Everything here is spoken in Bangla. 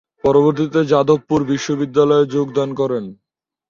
পরবর্তীতে যাদবপুর বিশ্ববিদ্যালয়ে যোগদান করেন।